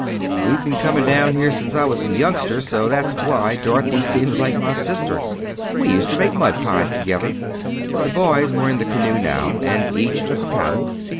We've been coming down here since I was a youngster, so that's why Dorothy seems like my sister. We used to make mud pies together." The boys were in the canoe now, and each took a paddle.